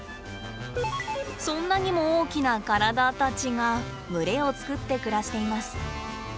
そんなにも大きな体たちが群れをつくって暮らしています。